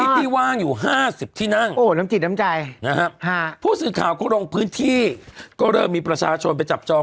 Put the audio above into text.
ที่นั่งผู้สืบข่าวก็ลงพื้นที่ก็เริ่มมีประชาชนไปจับจอง